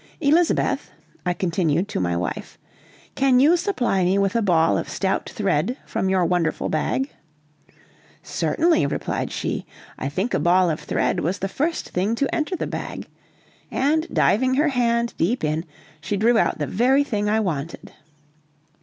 Elizabeth," I continued to my wife, "can you supply me with a ball of stout thread from your wonderful bag?" "Certainly," replied she, "I think a ball of thread was the first thing to enter the bag," and diving her hand deep in, she drew out the very thing I wanted.